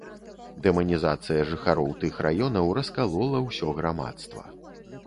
Дэманізацыя жыхароў тых раёнаў раскалола ўсё грамадства.